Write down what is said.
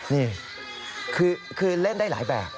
นี่คือเล่นได้หลายแบบ